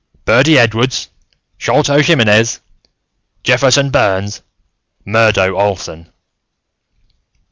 "Birdy Edwards; Sholto Jiminez; Jefferson Burns; Murdo Olsen."